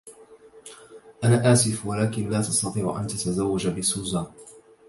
أنا آسف، ولكن لا تستطيع أن تتزوج بسوزان.